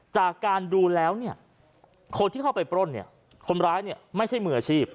จากการดูแล้วคนที่เข้าไปปล้นคนร้ายไม่ใช่มืออาชีพ